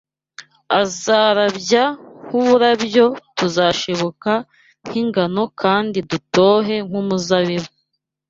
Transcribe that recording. Azarabya nk’uburabyo Tuzashibuka nk’ingano kandi dutohe nk’umuzabibu